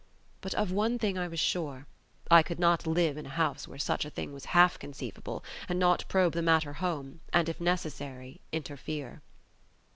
But of one thing I was sure: I could not live in a house where such a thing was half conceivable, and not probe the matter home and, if necessary, interfere.